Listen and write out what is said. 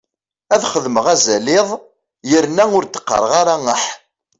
Ad xedmeɣ azal iḍ yerna ur d-qqareɣ ara aḥ.